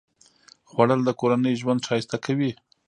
خوړل د کورنۍ ژوند ښایسته کوي